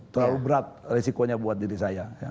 terlalu berat risikonya buat diri saya